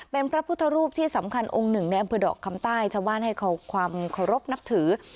เป็นพระพุทธรูปที่สำคัญองค์หนึ่งในอำเภอดอกคำใต้ชาวบ้านให้ความเคารพนับถือ